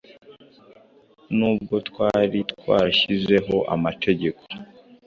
Nubwo twari twarashyizeho amategeko